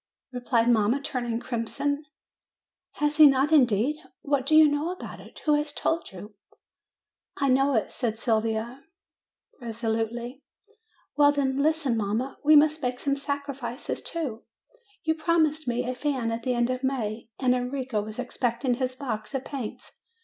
1 ' replied mamma, turning crimson. "Has he not indeed! What do you know about it? Who has told you?" "I know it," said Sylvia, resolutely. "Well, then, listen, mamma; we must make some sacrifices, too. You promised me a fan at the end of May, and Enrico was expecting his box of paints.